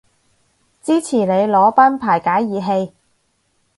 支持你裸奔排解熱氣